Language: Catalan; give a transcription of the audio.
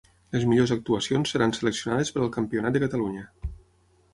Les millors actuacions seran seleccionades per al campionat de Catalunya.